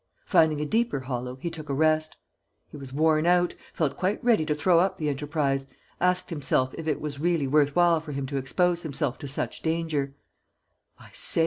Finding a deeper hollow, he took a rest. He was worn out, felt quite ready to throw up the enterprise, asked himself if it was really worth while for him to expose himself to such danger: "I say!"